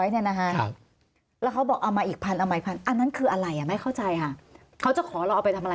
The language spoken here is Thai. ๕๐๐เนี่ยนะฮะแล้วเขาบอกเอามาอีกพันอันนั้นคืออะไรไม่เข้าใจค่ะเขาจะขอเราเอาไปทำอะไร